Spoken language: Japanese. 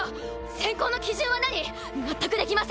選考の基準は何⁉納得できません。